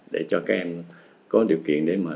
để cho các em có điều kiện để mà